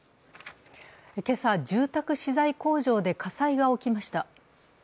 今朝、住宅資材工場で火災が起きました。